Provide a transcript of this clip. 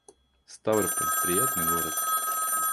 Ставрополь — приятный город